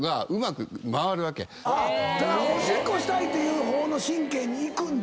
だからおしっこしたいという方の神経に行くんだ？